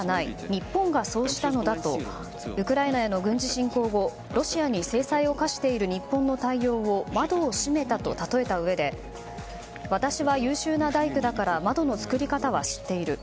日本がそうしたのだとウクライナへの軍事侵攻後ロシアに制裁を科している日本の対応を窓を閉めたと例えたうえで私は優秀な大工だから窓の作り方は知っている。